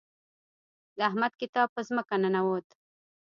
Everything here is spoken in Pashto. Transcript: د احمد کتاب په ځمکه ننوت.